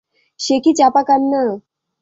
সে কি চাপা কান্না?